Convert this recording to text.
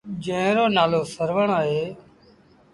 جݩهݩ رو نآلو سروڻ اهي۔